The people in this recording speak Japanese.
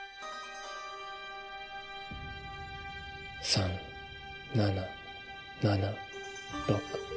３７７６。